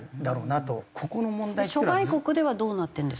諸外国ではどうなってるんですか？